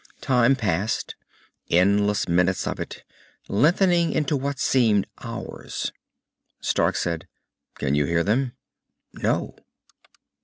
Time passed, endless minutes of it, lengthening into what seemed hours. Stark said, "Can you hear them?" "No."